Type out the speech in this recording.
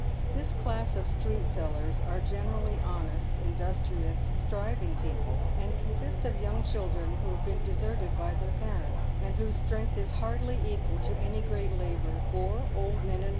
This class of street sellers are generally honest, in dustrious, striving people, and consist of young children who have been deserted by their parents, and whose strength is hardly equal to any great labour, or old men and.